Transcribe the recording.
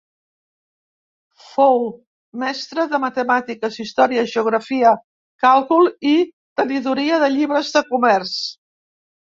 Fou mestre de matemàtiques, història, geografia, càlcul i Tenidoria de llibres de comerç.